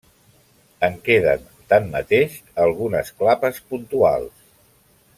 En queden, tanmateix, algunes clapes puntuals.